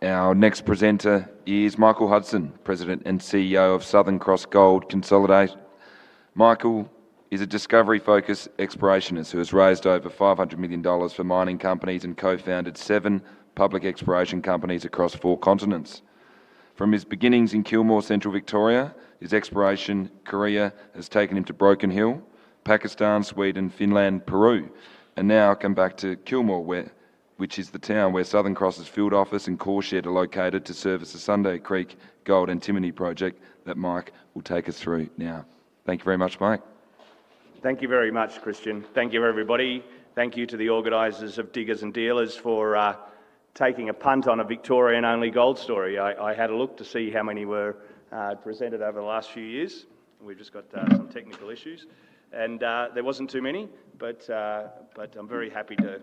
Our next presenter is Michael Hudson, President and CEO of Southern Cross Gold Consolidated. Michael is a discovery-focused explorationist who has raised over $500 million for mining companies and co-founded seven public exploration companies across four continents. From his beginnings in Kilmore, Central Victoria, his exploration career has taken him to Broken Hill, Pakistan, Sweden, Finland, and Peru. Now I'll come back to Kilmore, which is the town where Southern Cross Gold's field office and core shed are located to service the Sunday Creek Project that Mike will take us through now. Thank you very much, Mike. Thank you very much, Christian. Thank you, everybody. Thank you to the organizers of Diggers and Dealers for taking a punt on a Victorian-only gold story. I had a look to see how many were presented over the last few years. There weren't too many, but I'm very happy to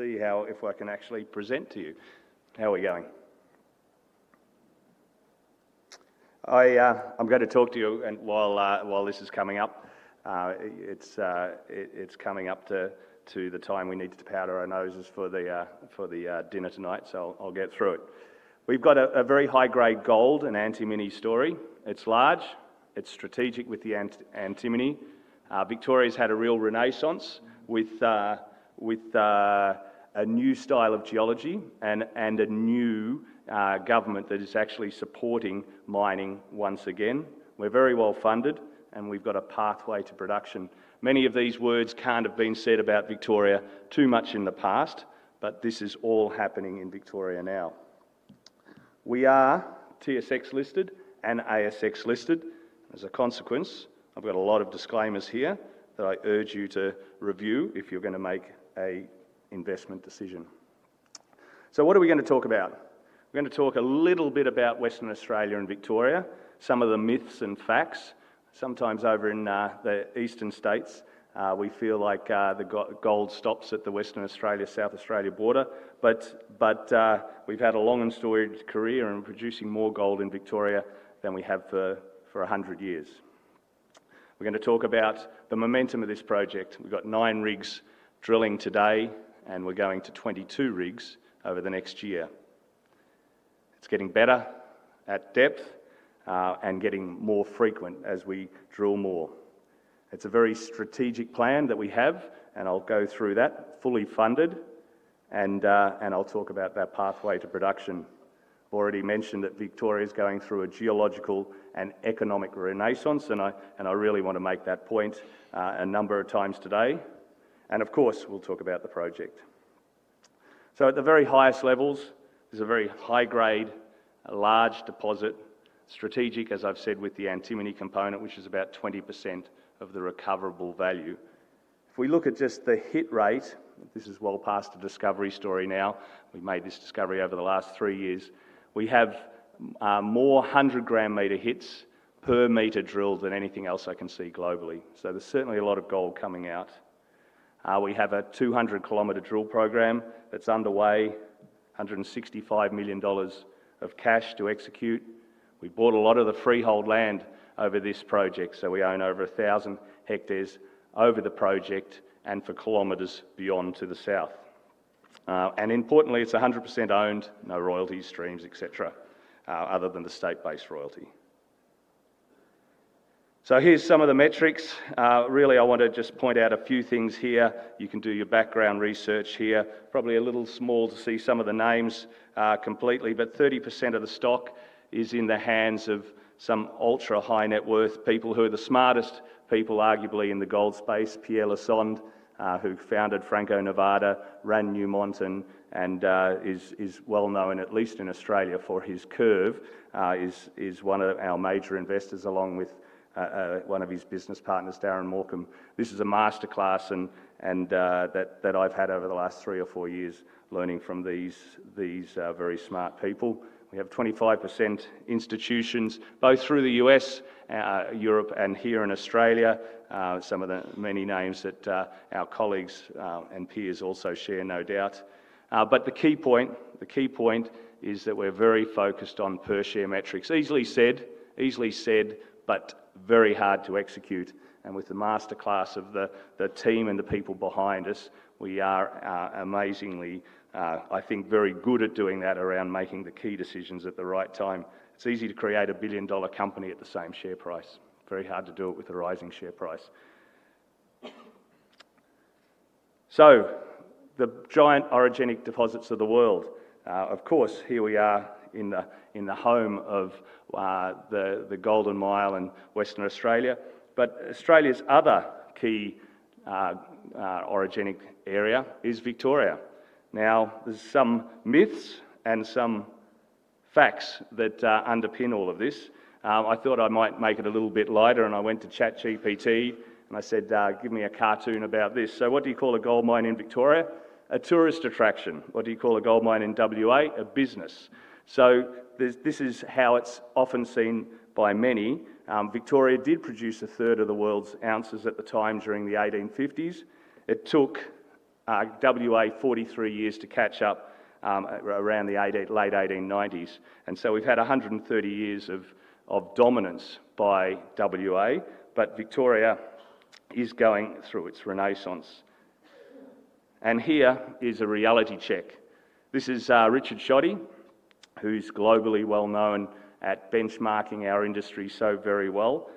see how, if I can actually present to you, how we're going. I'm going to talk to you while this is coming up. It's coming up to the time we need to powder our noses for the dinner tonight, so I'll get through it. We've got a very high-grade gold and antimony story. It's large. It's strategic with the antimony. Victoria's had a real renaissance with a new style of geology and a new government that is actually supporting mining once again. We're very well funded, and we've got a pathway to production. Many of these words can't have been said about Victoria too much in the past, but this is all happening in Victoria now. We are TSX listed and ASX listed. As a consequence, I've got a lot of disclaimers here that I urge you to review if you're going to make an investment decision. What are we going to talk about? We're going to talk a little bit about Western Australia and Victoria, some of the myths and facts. Sometimes over in the Eastern states, we feel like the gold stops at the Western Australia-South Australia border. We've had a long and storied career in producing more gold in Victoria than we have for 100 years. We're going to talk about the momentum of this project. We've got nine rigs drilling today, and we're going to 22 rigs over the next year. It's getting better at depth and getting more frequent as we drill more. It's a very strategic plan that we have, and I'll go through that, fully funded, and I'll talk about that pathway to production. I've already mentioned that Victoria is going through a geological and economic renaissance, and I really want to make that point a number of times today. Of course, we'll talk about the project. At the very highest levels, there's a very high-grade, large deposit, strategic, as I've said, with the antimony component, which is about 20% of the recoverable value. If we look at just the hit rate, this is well past a discovery story now. We've made this discovery over the last three years. We have more 100-gram meter hits per meter drilled than anything else I can see globally. There's certainly a lot of gold coming out. We have a 200 km drill program that's underway, $165 million of cash to execute. We bought a lot of the freehold land over this project, so we own over 1,000 hectares over the project and for kilometers beyond to the south. Importantly, it's 100% owned, no royalties, streams, etc., other than the state-based royalty. Here are some of the metrics. I want to just point out a few things here. You can do your background research here. Probably a little small to see some of the names completely, but 30% of the stock is in the hands of some ultra-high net worth people who are the smartest people, arguably, in the gold space. Pierre Lassonde, who founded Franco Nevada, ran Newmont, and is well known, at least in Australia, for his curve, is one of our major investors, along with one of his business partners, Darren Morcom. This is a masterclass that I've had over the last three or four years, learning from these very smart people. We have 25% institutions, both through the U.S., Europe, and here in Australia, some of the many names that our colleagues and peers also share, no doubt. The key point is that we're very focused on per-share metrics. Easily said, easily said, but very hard to execute. With the masterclass of the team and the people behind us, we are amazingly, I think, very good at doing that around making the key decisions at the right time. It's easy to create a billion-dollar company at the same share price. Very hard to do it with a rising share price. The giant orogenic deposits of the world. Of course, here we are in the home of the Golden Mile in Western Australia. Australia's other key orogenic area is Victoria. There are some myths and some facts that underpin all of this. I thought I might make it a little bit lighter, and I went to ChatGPT and I said, "Give me a cartoon about this." What do you call a gold mine in Victoria? A tourist attraction. What do you call a gold mine in W.A.? A business. This is how it's often seen by many. Victoria did produce a third of the world's ounces at the time during the 1850s. It took W.A. 43 years to catch up around the late 1890s. We've had 130 years of dominance by W.A., but Victoria is going through its renaissance. Here is a reality check. This is Richard Schodde, who's globally well known at benchmarking our industry so very well.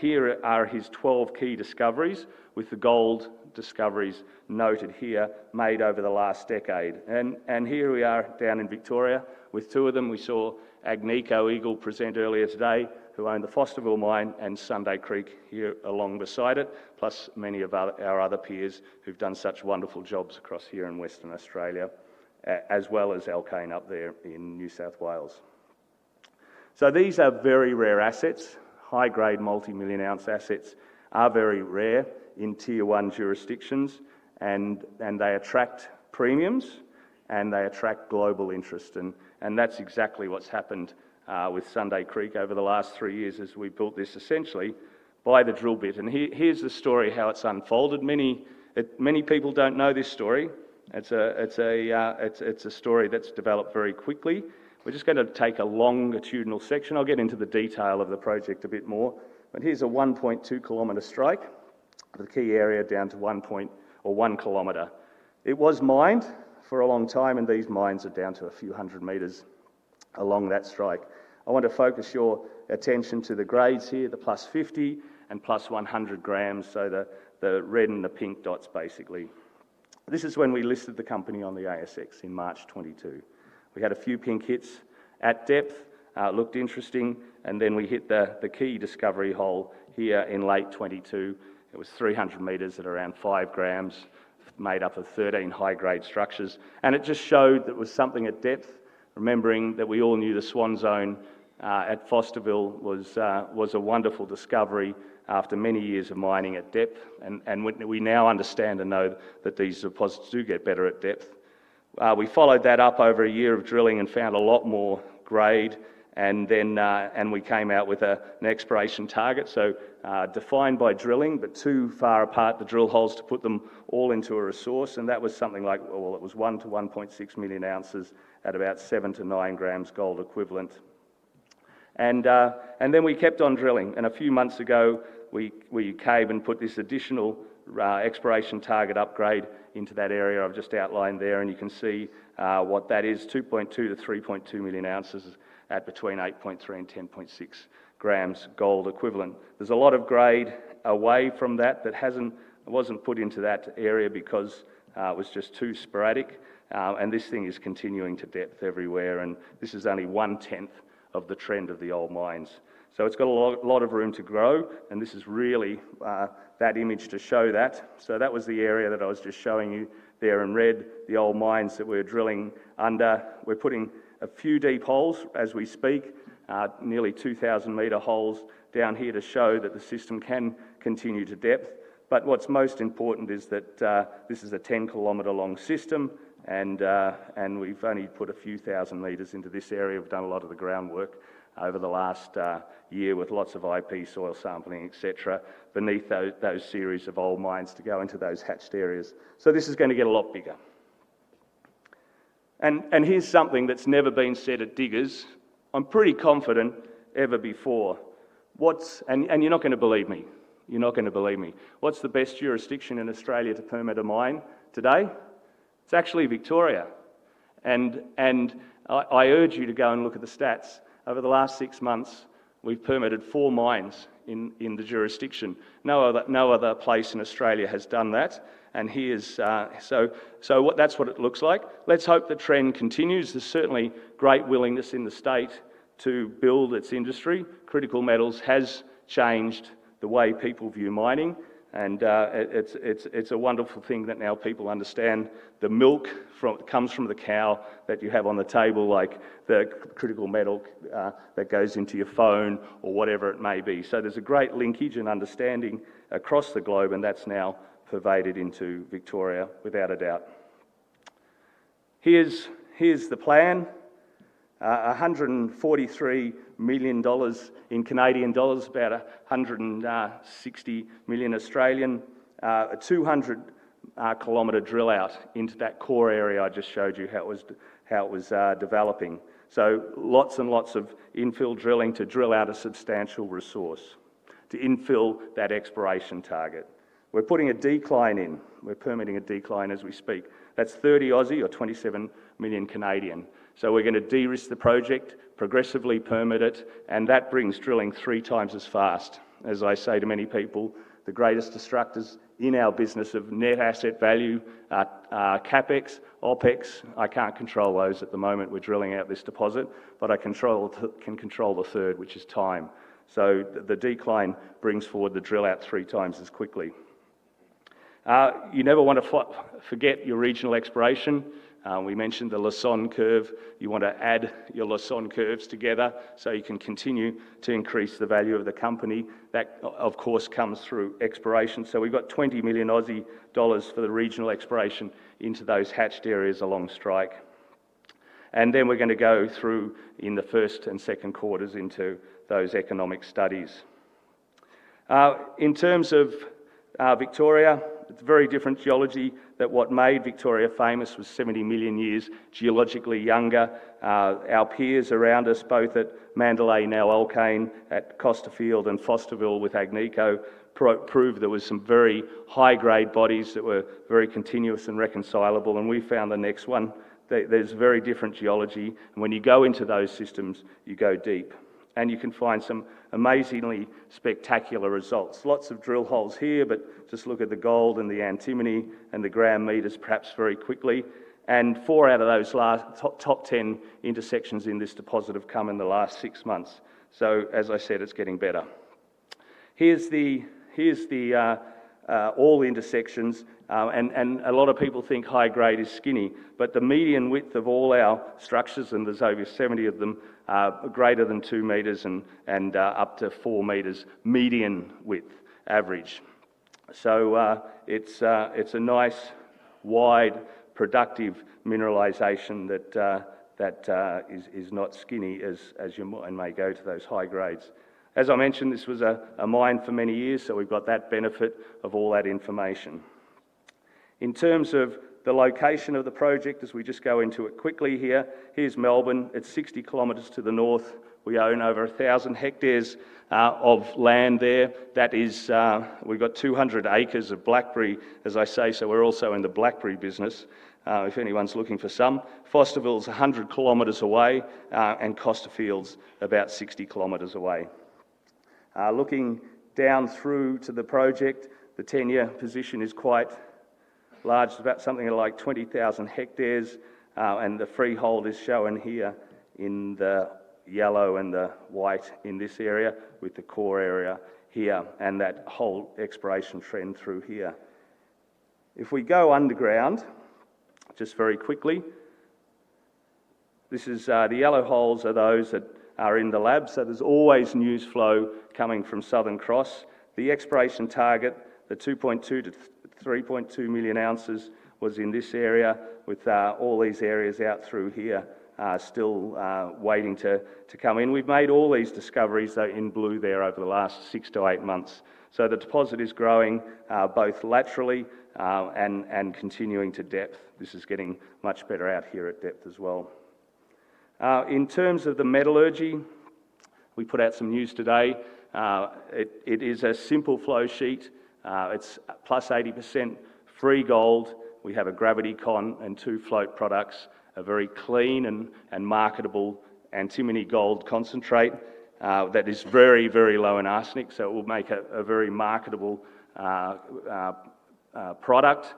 Here are his 12 key discoveries with the gold discoveries noted here made over the last decade. Here we are down in Victoria with two of them. We saw Agnico Eagle present earlier today, who own the Fosterville Mine and Sunday Creek here along beside it, plus many of our other peers who've done such wonderful jobs across here in Western Australia, as well as Alkane up there in New South Wales. These are very rare assets. High-grade multi-million ounce assets are very rare in Tier 1 jurisdictions, and they attract premiums and they attract global interest. That's exactly what's happened with Sunday Creek over the last three years as we built this essentially by the drill bit. Here's the story, how it's unfolded. Many people don't know this story. It's a story that's developed very quickly. We're just going to take a longitudinal section. I'll get into the detail of the project a bit more. Here's a 1.2 km strike of the key area down to 1 or 1 km. It was mined for a long time, and these mines are down to a few hundred meters along that strike. I want to focus your attention to the grades here, the plus 50 and plus 100 grams, so the red and the pink dots basically. This is when we listed the company on the ASX in March 2022. We had a few pink hits at depth. It looked interesting. Then we hit the key discovery hole here in late 2022. It was 300 meters at around 5 grams, made up of 13 high-grade structures. It just showed that it was something at depth. Remembering that we all knew the Swan Zone at Fosterville was a wonderful discovery after many years of mining at depth. We now understand and know that these deposits do get better at depth. We followed that up over a year of drilling and found a lot more grade. We came out with an expiration target, defined by drilling, but too far apart the drill holes to put them all into a resource. That was something like, well, it was 1 miliion-1.6 million ounces at about 7 grams-9 grams gold equivalent. We kept on drilling. A few months ago, we caved and put this additional expiration target upgrade into that area I've just outlined there. You can see what that is, 2.2 million-3.2 million ounces at between 8.3 and 10.6 grams gold equivalent. There's a lot of grade away from that that wasn't put into that area because it was just too sporadic. This thing is continuing to depth everywhere. This is only 1/10 of the trend of the old mines. It's got a lot of room to grow. This is really that image to show that. That was the area that I was just showing you there in red, the old mines that we're drilling under. We're putting a few deep holes as we speak, nearly 2,000 meter holes down here to show that the system can continue to depth. What's most important is that this is a 10 km long system, and we've only put a few thousand meters into this area. We've done a lot of the groundwork over the last year with lots of IP, soil sampling, etc., beneath those series of old mines to go into those hatched areas. This is going to get a lot bigger. Here's something that's never been said at Diggers and Dealers. I'm pretty confident ever before. You're not going to believe me. You're not going to believe me. What's the best jurisdiction in Australia to permit a mine today? It's actually Victoria. I urge you to go and look at the stats. Over the last six months, we've permitted four mines in the jurisdiction. No other place in Australia has done that. That's what it looks like. Let's hope the trend continues. There's certainly great willingness in the state to build its industry. Critical metals has changed the way people view mining, and it's a wonderful thing that now people understand the milk that comes from the cow that you have on the table, like the critical metal that goes into your phone or whatever it may be. There's a great linkage and understanding across the globe, and that's now pervaded into Victoria, without a doubt. Here's the plan. 143 million dollars, about AUD 160 million. A 200 km drill out into that core area I just showed you how it was developing. Lots and lots of infill drilling to drill out a substantial resource to infill that exploration target. We're putting a decline in. We're permitting a decline as we speak. That's 30 million Aussie or 27. We're going to de-risk the project, progressively permit it, and that brings drilling three times as fast. As I say to many people, the greatest destructives in our business of net asset value, CapEx, OpEx, I can't control those at the moment we're drilling out this deposit, but I can control the third, which is time. The decline brings forward the drill out three times as quickly. You never want to forget your regional exploration. We mentioned the Lassonde curve. You want to add your Lassonde curves together so you can continue to increase the value of the company. That, of course, comes through exploration. We've got 20 million Aussie dollars for the regional exploration into those hatched areas along strike. We're going to go through in the first and second quarters into those economic studies. In terms of Victoria, it's a very different geology. What made Victoria famous was 70 million years geologically younger. Our peers around us, both at Mandalay, now Alkane, at Costerfield and Fosterville with Agnico Eagle, proved there were some very high-grade bodies that were very continuous and reconcilable. We found the next one. There's a very different geology. When you go into those systems, you go deep, and you can find some amazingly spectacular results. Lots of drill holes here, but just look at the gold and the antimony and the gram meters, perhaps very quickly. Four out of those last top 10 intersections in this deposit have come in the last six months. It's getting better. Here are all intersections. A lot of people think high-grade is skinny, but the median width of all our structures, and there's over 70 of them, are greater than 2 meters and up to 4 meters median width average. It's a nice, wide, productive mineralization that is not skinny as your mine may go to those high grades. As I mentioned, this was a mine for many years, so we've got that benefit of all that information. In terms of the location of the project, as we just go into it quickly here, here's Melbourne. It's 60 km to the north. We own over 1,000 hectares of land there. That is, we've got 200 acres of blackberry, as I say. We're also in the blackberry business, if anyone's looking for some. Fosterville's 100 km away and Costerfield's about 60 km away. Looking down through to the project, the tenure position is quite large. It's about something like 20,000 hectares. The freehold is shown here in the yellow and the white in this area with the core area here and that whole exploration trend through here. If we go underground just very quickly, the yellow holes are those that are in the lab. There's always news flow coming from Southern Cross Gold. The exploration target, the 2.2 million-3.2 million ounces, was in this area with all these areas out through here still waiting to come in. We've made all these discoveries, though, in blue there over the last 6 months-8 months. The deposit is growing both laterally and continuing to depth. This is getting much better out here at depth as well. In terms of the metallurgy, we put out some news today. It is a simple flow sheet. It's +80% free gold. We have a gravity con and two float products, a very clean and marketable antimony-gold concentrate that is very, very low in arsenic. It will make a very marketable product.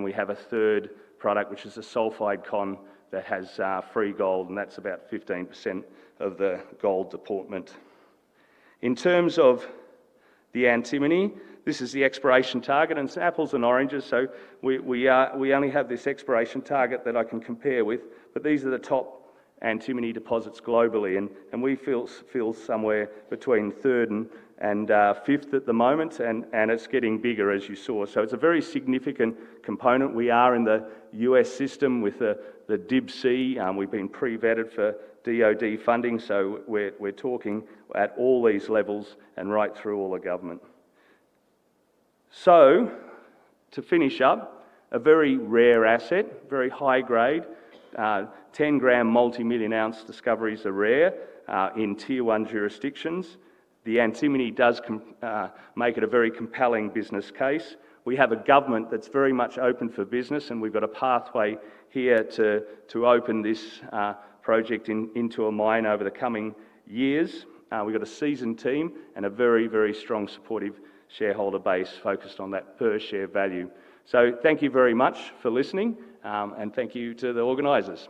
We have a third product, which is a sulfide con that has free gold, and that's about 15% of the gold deportment. In terms of the antimony, this is the exploration target, and it's apples and oranges. We only have this exploration target that I can compare with, but these are the top antimony deposits globally, and we feel somewhere between third and fifth at the moment. It's getting bigger, as you saw. It's a very significant component. We are in the U.S. system with the DIBC, and we've been pre-vetted for DOD funding. We're talking at all these levels and right through all the government. To finish up, a very rare asset, very high grade, 10-gram multi-million ounce discoveries are rare in Tier 1 jurisdictions. The antimony does make it a very compelling business case. We have a government that's very much open for business, and we've got a pathway here to open this project into a mine over the coming years. We've got a seasoned team and a very, very strong supportive shareholder base focused on that per-share value. Thank you very much for listening, and thank you to the organizers.